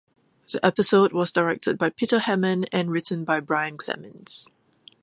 The episode was directed by Peter Hammond and written by Brian Clemens.